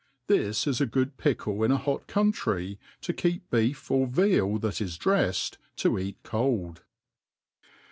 This is good pickle in a hot country, to keep beef pf veal that is dreiled.^ to eat cold.